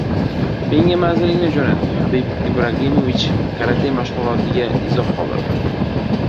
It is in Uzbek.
"Menga manzilingni jo‘nat" – Habib Ibragimovichning karate mashg‘ulotiga izoh qoldirdi